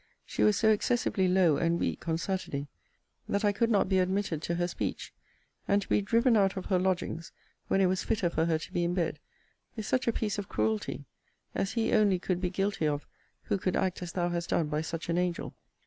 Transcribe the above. She was so excessively low and weak on Saturday, that I could not be admitted to her speech: and to be driven out of her lodgings, when it was fitter for her to be in bed, is such a piece of cruelty, as he only could be guilty of who could act as thou hast done by such an angel.